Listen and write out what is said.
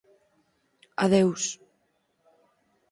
Adeus.